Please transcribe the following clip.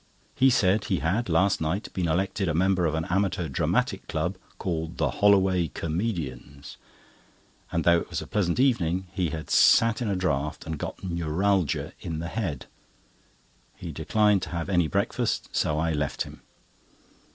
He said he had last night been elected a member of an Amateur Dramatic Club, called the "Holloway Comedians"; and, though it was a pleasant evening, he had sat in a draught, and got neuralgia in the head. He declined to have any breakfast, so I left him.